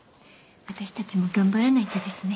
私たちも頑張らないとですね。